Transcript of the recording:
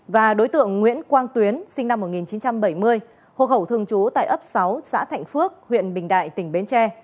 và đối tượng nguyễn quang tuyến sinh năm một nghìn chín trăm bảy mươi hộ khẩu thường trú tại ấp sáu xã thạnh phước huyện bình đại tỉnh bến tre